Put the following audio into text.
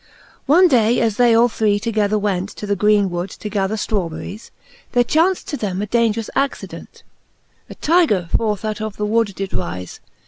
XXXIV. One day as they all three together went To the greene wood, to gather fbawberies, There chaunft to them a dangerous accident ; A tigre fierce out of the wood did rife.